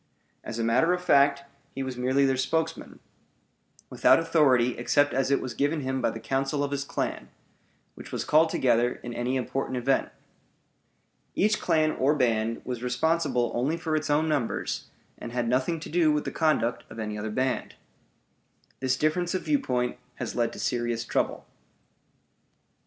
As a matter of fact, he was merely their spokesman, without authority except as it was given him by the council of his clan, which was called together in any important event. Each clan or band was responsible only for its own members, and had nothing to do with the conduct of any other band. This difference of viewpoint has led to serious trouble.